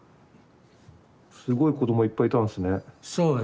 すごい子どもいっぱいいたんですね。